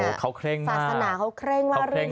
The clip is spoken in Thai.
ภาษณาเขาเคร่งมากเรื่องอย่างนี้